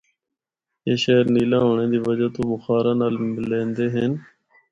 اے شہر نیلا ہونڑے دی وجہ تو بخارا نال ملیندے ہن۔